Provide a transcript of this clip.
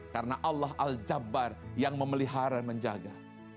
karena allah al jabbar yang memelihara dan menjaga